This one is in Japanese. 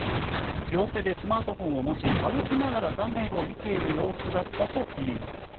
両手でスマートフォンを持ち、歩きながら画面を見ている様子だったといいます。